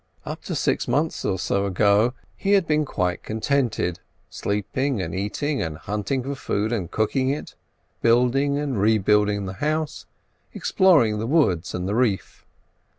Up to six months or so ago he had been quite contented; sleeping and eating, and hunting for food and cooking it, building and rebuilding the house, exploring the woods and the reef.